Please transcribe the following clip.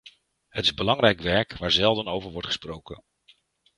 Het is belangrijk werk waar zelden over wordt gesproken.